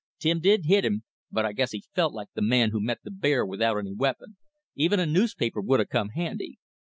"Tim didn't hit him; but I guess he felt like th' man who met the bear without any weapon, even a newspaper would 'a' come handy.